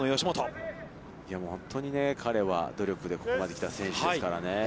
本当に彼は、努力で、ここまで来た選手ですからね。